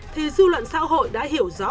thì dư luận xã hội đã hiểu rõ